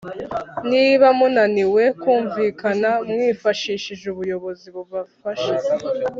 Niba munaniwe kumvikana mwifashishe ubuyobozi bubafashe